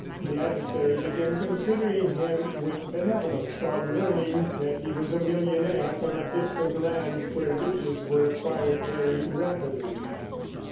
The adversary began considering him with benevolence, on learning that he was a millionaire from a distant land where riches were acquired very rapidly.